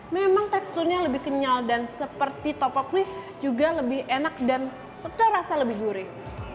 memang teksturnya lebih kenyal dan seperti topoki juga lebih enak dan sudah rasa lebih gurih